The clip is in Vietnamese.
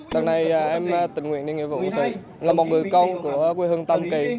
lần này em tình nguyện đi nhiệm vụ của mình là một người con của quê hương tâm kỳ